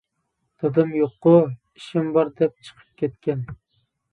-دادام يوققۇ؟ -ئىشىم بار دەپ چىقىپ كەتكەن.